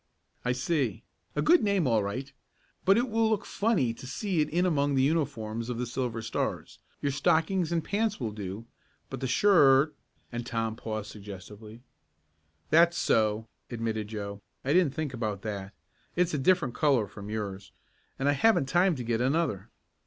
"I see. A good name all right, but it will look funny to see that in among the uniforms of the Silver Stars. Your stockings and pants will do, but the shirt " and Tom paused suggestively. "That's so," admitted Joe. "I didn't think about that. It's a different color from yours, and I haven't time to get another."